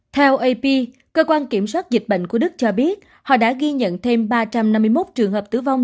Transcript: theo ap cơ quan kiểm soát dịch bệnh của đức cho biết họ đã ghi nhận thêm ba trăm năm mươi một trường hợp tử vong